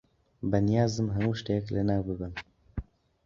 بەنیازم هەموو شتێک لەناو ببەم.